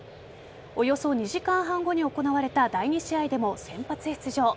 およそ２時間半後に行われた第２試合でも先発出場。